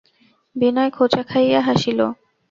বিনয় খোঁচা খাইয়া হাসিল।